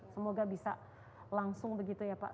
semoga bisa langsung begitu ya pak